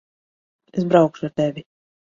Es braukšu ar tevi.